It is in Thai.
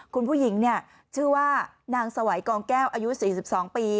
คุณผู้หญิงเนี้ยชื่อว่านางสวัยกองแก้วอายุสี่สิบสองปี